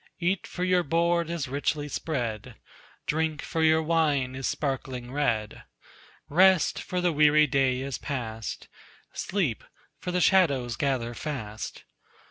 Eat, for your board is richly spread; Drink, for your wine is sparkling red; Rest, for the weary day is past; Sleep, for the shadows gather fast.